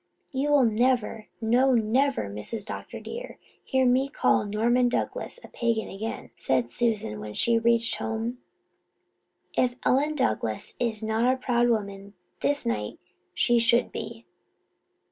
"You will never, no, never, Mrs. Dr. dear, hear me call Norman Douglas a pagan again," said Susan when she reached home. "If Ellen Douglas is not a proud woman this night she should be."